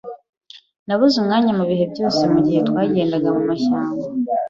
Nabuze umwanya mubihe byose mugihe twagendaga mumashyamba.